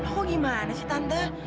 kok gimana sih tante